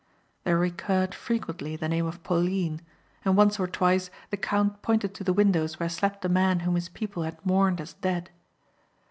There recurred frequently the name of Pauline and once or twice the count pointed to the windows where slept the man whom his people had mourned as dead.